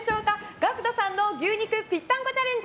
ＧＡＣＫＴさんの牛肉ぴったんこチャレンジ